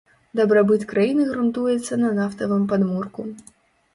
Дабрабыт краіны грунтуецца на нафтавым падмурку.